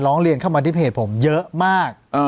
ร้องเรียนเข้ามาที่เพจผมเยอะมาก